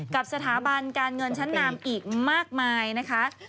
กับสถาบันการเงินชั้นนำอีกมากมายนะคะ